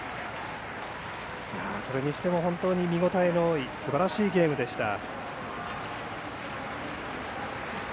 それにしても本当に見応えの多いすばらしいゲームでした。